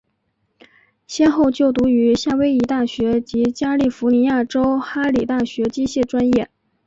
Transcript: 先后就读于夏威夷大学及加利福尼亚州哈里大学机械专业。